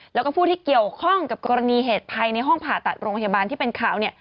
แล้วก็ผู้ที่เกี่ยวข้องกับกรณีเหตุภัยในห้องผ่าตัดโรงพยาบาลที่เป็นข่าวเนี่ย